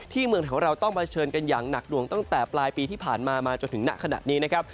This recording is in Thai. ที่เมืองของเราต้องมาเชิญกันอย่างหนักดวงตั้งแต่ปลายปีที่ผ่านมามาจนถึงหน้าขนาดนี้นะครับ